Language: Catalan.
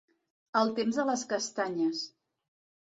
Al temps de les castanyes.